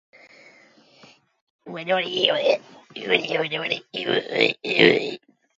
Decoration of concert halls were also mostly in my care. Kessler also sent drawings.